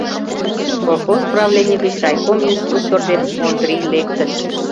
Колхоз правлений гыч райком инструктор ден Ондрий лектыт.